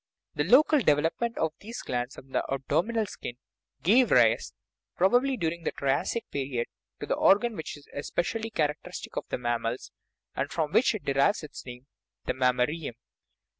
A local develop ment of these glands on the abdominal skin gave rise (probably during the Triassic period) to the organ which is especially characteristic of the class, and from which it derives its name the mammarium.